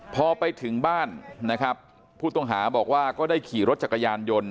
พอไปถึงบ้านนะครับผู้ต้องหาบอกว่าก็ได้ขี่รถจักรยานยนต์